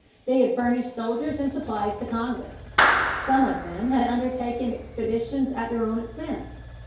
They had furnished soldiers and supplies to Congress. Some of them had undertaken expeditions at their own expense.